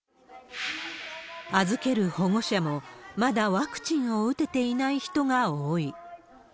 預ける保護者も、まだワクチンを打てていない人が多い。